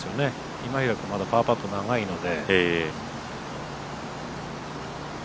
今平君まだパーパット長いので。